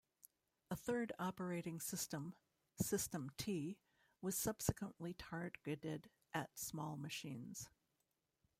A third operating system, System T, was subsequently targeted at small machines.